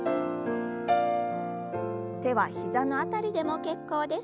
手は膝の辺りでも結構です。